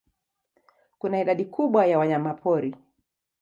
Kuna idadi kubwa ya wanyamapori.